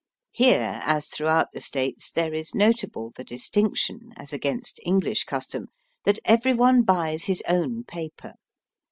Here, as throughout the States, there is notable the distinction, as against EngUsh custom, that every one buys his own paper.